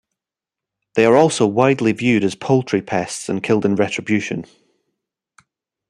They are also widely viewed as poultry pests and killed in retribution.